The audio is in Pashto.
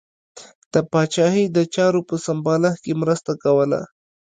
د پاچاهۍ د چارو په سمبالښت کې مرسته کوله.